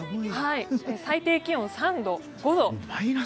最低気温３度、５度。